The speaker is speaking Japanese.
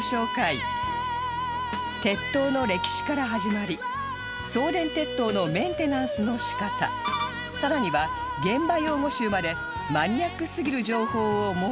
鉄塔の歴史から始まり送電鉄塔のメンテナンスの仕方さらには現場用語集までマニアックすぎる情報を網羅